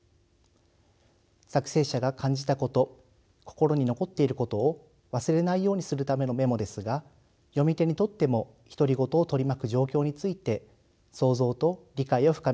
作成者が感じたこと心に残っていることを忘れないようにするためのメモですが読み手にとっても独り言を取り巻く状況について想像と理解を深める手助けになります。